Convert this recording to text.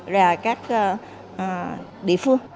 và các địa phương